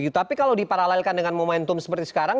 tapi kalau diparalelkan dengan momentum seperti sekarang